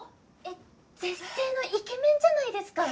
えっ絶世のイケメンじゃないですか。